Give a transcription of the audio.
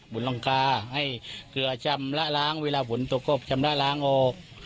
บนรังกาให้เกลือชำระล้างเวลาฝนตกก็ชำระล้างออก